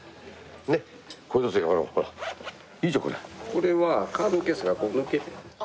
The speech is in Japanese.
これはカードケースがこう抜ける。